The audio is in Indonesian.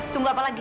tunggu apa lagi